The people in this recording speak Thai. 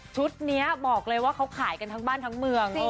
ชุดนี้บอกเลยว่าเขาขายกันทั้งบ้านทั้งเมือง